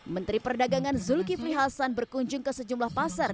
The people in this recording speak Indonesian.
menteri perdagangan zulkifli hasan berkunjung ke sejumlah pasar